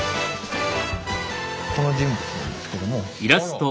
この人物なんですけども。